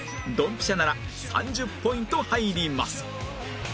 ドンピシャなら３０ポイント入ります